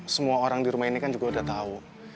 semua orang di rumah ini kan juga udah tahu